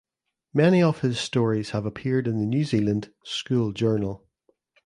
Many of his stories have appeared in the New Zealand "School Journal".